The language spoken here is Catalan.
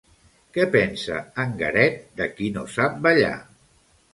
Què pensa en Garet de qui no sap ballar?